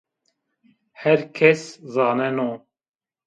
Her kes zaneno